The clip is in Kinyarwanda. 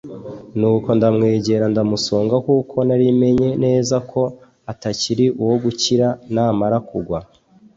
Nuko ndamwegera, ndamusonga kuko nari menye neza ko atakiri uwo gukira, namara kugwa